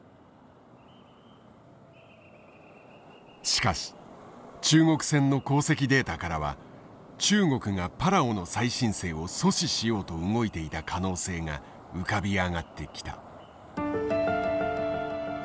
しかし中国船の航跡データからは中国がパラオの再申請を阻止しようと動いていた可能性が浮かび上がってきた。